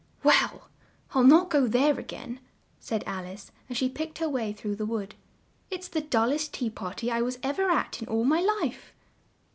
"Well, I'll not go there a gain," said Al ice as she picked her way through the wood. "It's the dull est tea par ty I was ev er at in all my life."